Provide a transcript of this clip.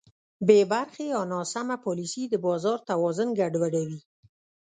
بېبرخې یا ناسمه پالیسي د بازار توازن ګډوډوي.